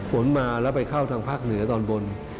ฝนมาแล้วไปเข้าทางภาคเหนือตอนบน